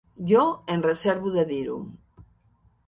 Jo em reservo de dir-ho.